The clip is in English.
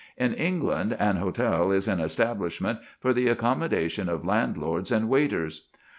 In England an hotel is an establishment for the accommodation of landlords and waiters.